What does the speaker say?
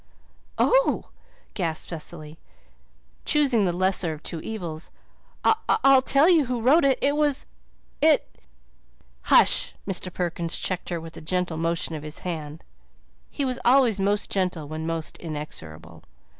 "Oh," gasped Cecily, choosing the lesser of two evils, "I'll tell you who wrote it it was "Hush!" Mr. Perkins checked her with a gentle motion of his hand. He was always most gentle when most inexorable.